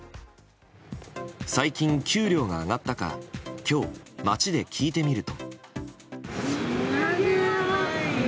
最近給料が上がったか今日、街で聞いてみると。